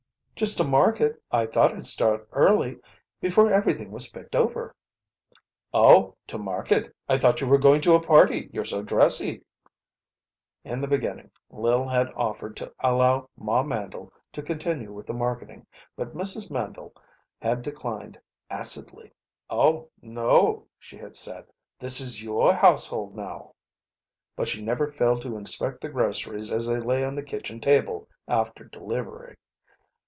"Just to market. I thought I'd start early, before everything was picked over." "Oh to market! I thought you were going to a party, you're so dressy." In the beginning Lil had offered to allow Ma Mandle to continue with the marketing but Mrs. Mandle had declined, acidly. "Oh, no," she had said. "This is your household now." But she never failed to inspect the groceries as they lay on the kitchen table after delivery.